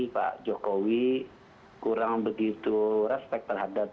pak jokowi kurang begitu respect terhadap